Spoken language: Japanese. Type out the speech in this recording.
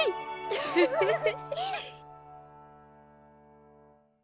フフフフ。